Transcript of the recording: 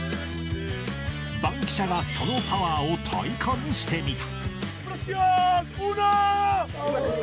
バンキシャがそのパワーを体感してみた。